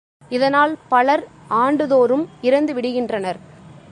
இதனால் பலர் ஆண்டுதோறும் இறந்துவிடுகின்றனர்.